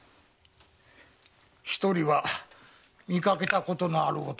一人は見かけたことのある男ですよ。